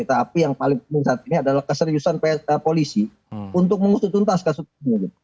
tapi yang paling penting saat ini adalah keseriusan polisi untuk mengusut tuntas kasus ini